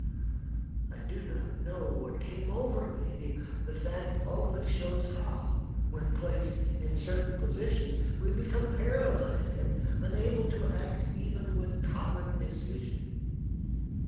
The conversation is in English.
I do not know what came over me. The fact only shows how, when placed in certain positions, we become paralyzed, and unable to act even with common decision.